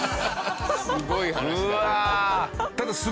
すごい話だな。